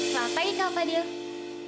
selamat pagi kak fadil